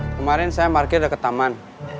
kemarin saya parkir taman